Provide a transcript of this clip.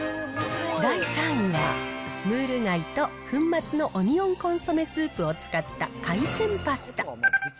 第３位は、ムール貝と粉末のオニオンコンソメスープを使った海鮮パスタ。